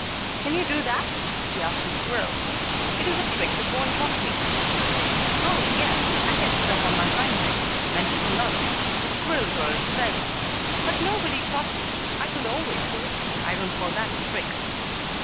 "Can you do that?" he asked the squirrel. "It is a trick the boy taught me." "Oh, yes, I can sit up on my hind legs, and eat a nut," the squirrel girl said. "But nobody taught me. I could always do it. I don't call that a trick."